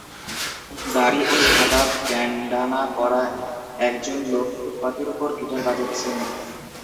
দাড়ি ও সাদা ব্যান্ডানা পরা একজন লোক ফুটপাতের ওপর গিটার বাজাচ্ছেন।